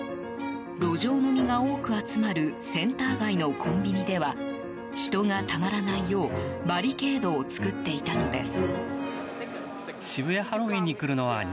路上飲みが多く集まるセンター街のコンビニでは人がたまらないようバリケードを作っていたのです。